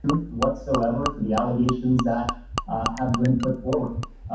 ماضی میں چونکہ ریاست کا کوئی آئین نہیں ہوتا تھا۔